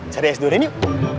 cari es durian yuk